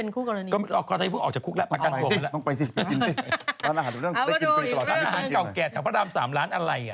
ครั้นที่โดนไร่คืออ๋อเค้าก็หล่ะ